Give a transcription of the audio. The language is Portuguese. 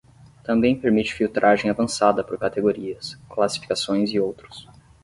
Também permite filtragem avançada por categorias, classificações e outros.